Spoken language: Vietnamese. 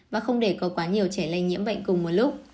và không để có quá nhiều trẻ lây nhiễm bệnh cùng một lúc